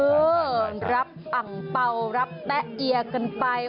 เออรับอังเป่ารับแต๊ะเอียกันไป